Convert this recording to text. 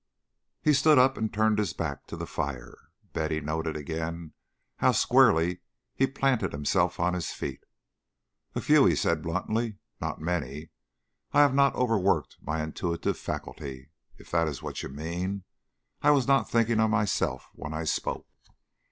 He stood up and turned his back to the fire. Betty noted again how squarely he planted himself on his feet. "A few," he said bluntly. "Not many. I have not overworked my intuitive faculty, if that is what you mean. I was not thinking of myself when I spoke."